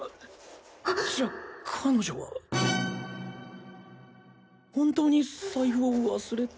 ハじゃあ彼女は本当に財布を忘れて。